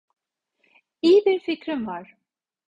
İyi bir fikrim var.